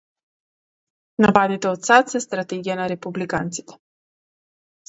Нападите од САД се стратегија на републиканците